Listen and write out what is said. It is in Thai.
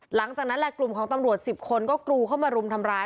หลังจากนั้นแหละกลุ่มของตำรวจ๑๐คนก็กรูเข้ามารุมทำร้าย